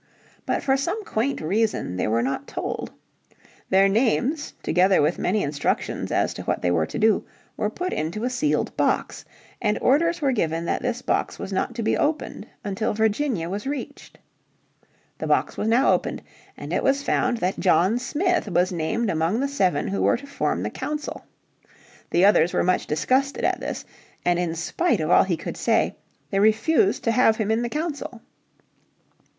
But for some quaint reason they were not told. Their names, together with many instructions as to what they were to do, were put into a sealed box, and orders were given that this box was not to be opened until Virginia was reached. The box was now opened, and it was found that John Smith was named among the seven who were to form the council. The others were much disgusted at this, and in spite of all he could say, they refused to have him in the council.